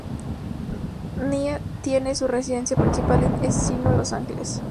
Nye tiene su residencia principal en Encino, Los Ángeles.